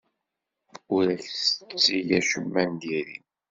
Ur ak-tetteg acemma n diri.